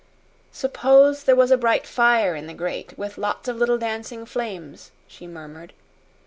"Suppose there was a bright fire in the grate, with lots of little dancing flames," she murmured.